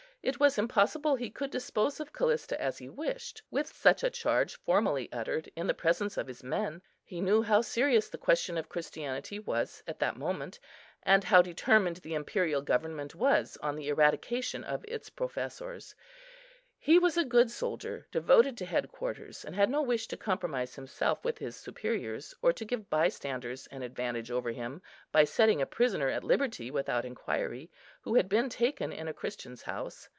It was impossible he could dispose of Callista as he wished, with such a charge formally uttered in the presence of his men. He knew how serious the question of Christianity was at that moment, and how determined the Imperial Government was on the eradication of its professors; he was a good soldier, devoted to head quarters, and had no wish to compromise himself with his superiors, or to give bystanders an advantage over him, by setting a prisoner at liberty without inquiry, who had been taken in a Christian's house.